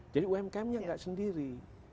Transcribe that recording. jadi umkmnya enggak sendiri